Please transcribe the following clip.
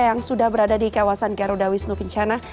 yang sudah berada di kawasan garuda wisnu kencana